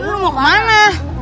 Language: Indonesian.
lu mau kemana